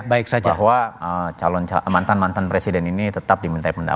bahwa mantan mantan presiden ini tetap diminta pendapat